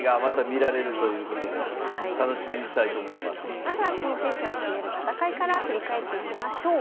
まずは挑戦者を決める戦いから振り返っていきましょう。